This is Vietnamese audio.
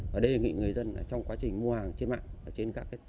và đề nghị người dân trong quá trình mua hàng trên mạng